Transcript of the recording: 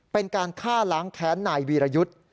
เป็นการฆ่าล้างแค้นนายวีรยุทธ์